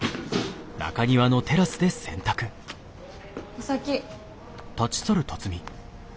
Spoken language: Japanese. お先。